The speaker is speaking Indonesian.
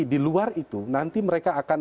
di luar itu nanti mereka akan